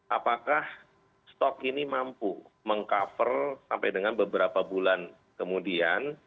apakah stok ini mampu meng cover sampai dengan beberapa bulan kemudian